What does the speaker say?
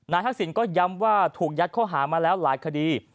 ทักษิณก็ย้ำว่าถูกยัดข้อหามาแล้วหลายคดี